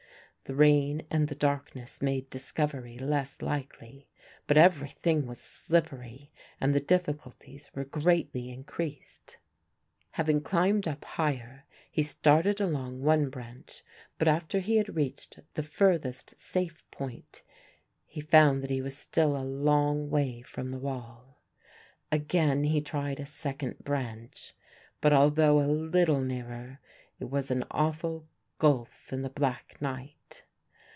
The rain and the darkness made discovery less likely; but everything was slippery and the difficulties were greatly increased. Having climbed up higher he started along one branch but after he had reached the furthest safe point he found that he was still a long way from the wall. Again he tried a second branch, but, although a little nearer, it was an awful gulf in the black night.